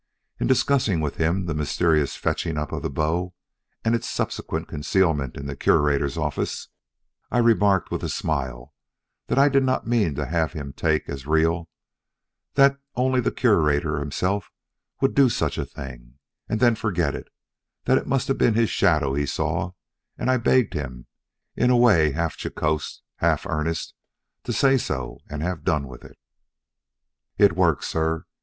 In discussing with him the mysterious fetching up of the bow and its subsequent concealment in the Curator's office, I remarked, with a smile I did not mean to have him take as real, that only the Curator himself would do such a thing and then forget it; that it must have been his shadow he saw; and I begged him, in a way half jocose, half earnest, to say so and have done with it. "It worked, sir.